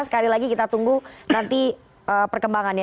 sekali lagi kita tunggu nanti perkembangannya